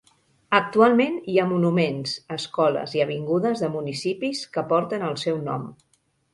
Actualment, hi ha monuments, escoles i avingudes de municipis que porten el seu nom.